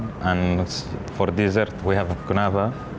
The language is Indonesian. dan untuk dessert kita punya kunafa